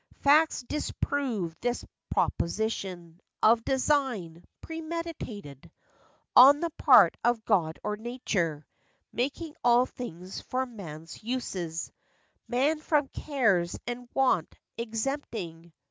Facts disprove this proposition Of design, premeditated, On the part of God or nature— Making all things for man's uses, Man from cares and want, exempting.